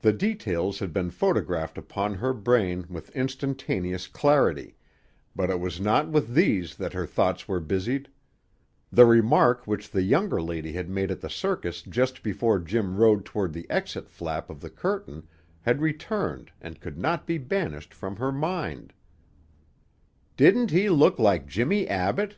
The details had been photographed upon her brain with instantaneous clarity, but it was not with these that her thoughts were busied; the remark which the younger lady had made at the circus just before Jim rode toward the exit flap of the curtain had returned and could not be banished from her mind: "Didn't he look like Jimmie Abbott?"